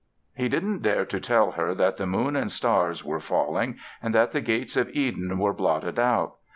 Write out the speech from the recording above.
He didn't dare to tell her that the moon and stars were falling and that the gates of Eden were blotted out.